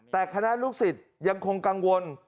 แต่คณะลูกศิษย์ยังคงกังวล